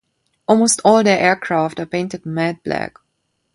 Almost all their aircraft are painted matte black.